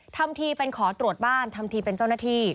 ทำทีเป็นขอตรวจบ้านทำทีเป็นเจ้าหน้าที่